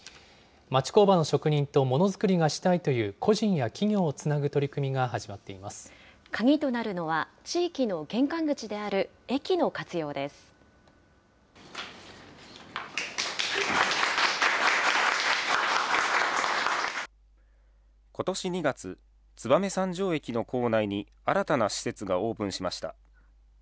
町工場の職人とものづくりがしたいという個人や企業をつなぐ取り鍵となるのは、地域の玄関口ことし２月、燕三条駅の構内に、新たな施設がオープンしました。